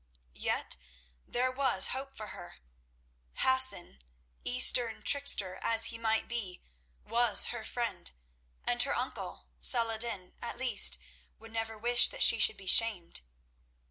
Yet there was hope for her. Hassan, Eastern trickster as he might be, was her friend; and her uncle, Saladin, at least, would never wish that she should be shamed.